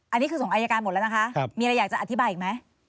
อันนี้คือส่งอายการหมดแล้วนะคะมีอะไรอยากจะอธิบายอีกไหม